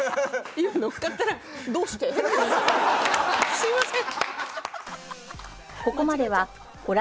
すいません。